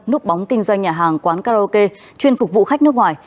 núp bóng kinh doanh nhà hàng quán karaoke chuyên phục vụ khách nước ngoài